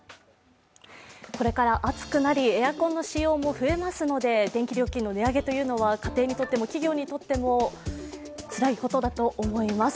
これから暑くなり、エアコンの使用も増えますので電気料金の値上げは、家庭にとっても企業にとってもつらいことだと思います。